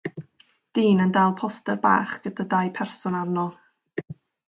Dyn yn dal poster bach gyda dau berson arno.